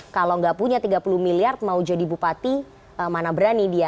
kalau nggak punya tiga puluh miliar mau jadi bupati mana berani dia